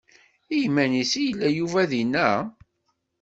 Iman-is i yella Yuba dinna?